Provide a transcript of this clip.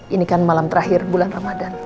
ini kan malam terakhir bulan ramadan